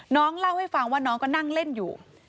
น้องเล่าให้ฟังว่าน้องก็นั่งเล่นอยู่